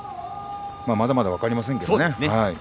まだまだ分かりませんけどね。